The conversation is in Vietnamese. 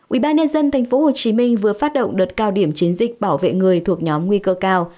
ubnd tp hcm vừa phát động đợt cao điểm chiến dịch bảo vệ người thuộc nhóm nguy cơ cao